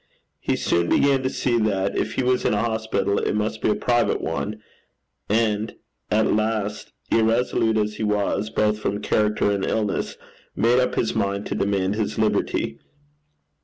He soon began to see that, if he was in a hospital, it must be a private one, and at last, irresolute as he was both from character and illness, made up his mind to demand his liberty.